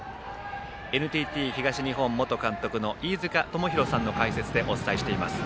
ＮＴＴ東日本元監督の飯塚智広さんの解説でお伝えしています。